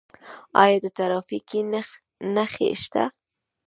آیا ټرافیکي نښې شته؟